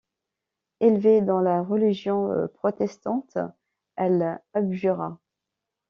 Élevée dans la religion protestante, elle abjura.